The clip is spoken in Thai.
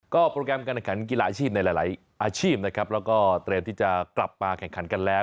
โปรแกรมการแข่งขันกีฬาอาชีพในหลายอาชีพนะครับแล้วก็เตรียมที่จะกลับมาแข่งขันกันแล้ว